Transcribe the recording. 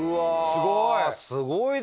すごいな。